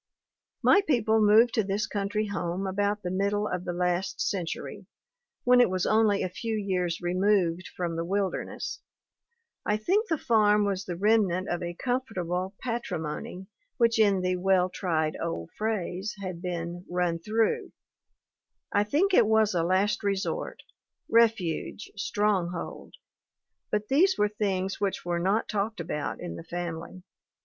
My people moved to this country home about the mid dle of the last century, when it was only a few years removed from the wilderness; I think the farm was the remnant of a comfortable patrimony which in the well tried old phrase had been 'run through'; I think it was a last resort, refuge, stronghold; but these were things which were not talked about in the family.